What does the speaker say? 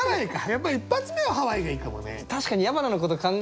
やっぱり１発目はハワイがいいかもね。